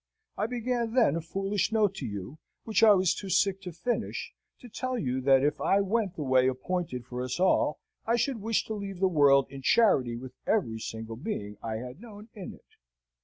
I began then a foolish note to you, which I was too sick to finish, to tell you that if I went the way appointed for us all, I should wish to leave the world in charity with every single being I had known in it.